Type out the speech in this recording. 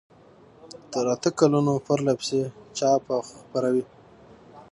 تر اته کلونو پرلپسې چاپ او خپروي.